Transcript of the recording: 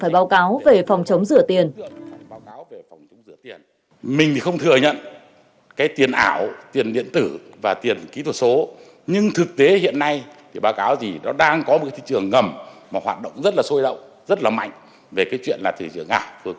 phải báo cáo về phòng chống rửa tiền